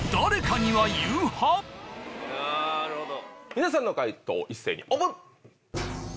皆さんの解答一斉にオープン！